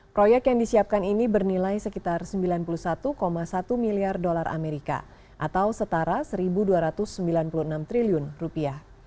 proyek yang disiapkan ini bernilai sekitar sembilan puluh satu satu miliar dolar amerika atau setara satu dua ratus sembilan puluh enam triliun rupiah